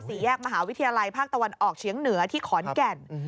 แยกมหาวิทยาลัยภาคตะวันออกเฉียงเหนือที่ขอนแก่น